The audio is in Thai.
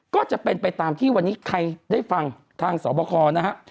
ก็จะเป็นไปตามที่วันนี้ใครได้ฟังทางสอบคอนะฮะ